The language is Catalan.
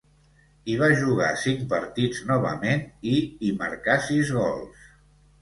Hi va jugar cinc partits novament, i hi marcà sis gols.